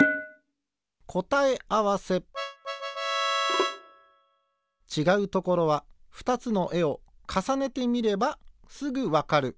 こたえあわせちがうところは２つのえをかさねてみればすぐわかる。